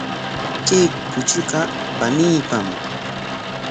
Kay kuchiqa paniipam.